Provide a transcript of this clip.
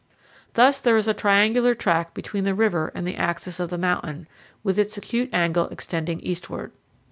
Thus there is a triangular tract between the river and the axis of the mountain, with its acute angle extending eastward.